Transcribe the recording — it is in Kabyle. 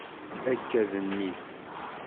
Akka d nnif.